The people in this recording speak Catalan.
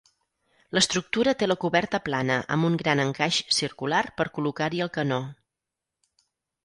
L'estructura té la coberta plana amb un gran encaix circular per col·locar-hi el canó.